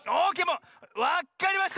もうわっかりました。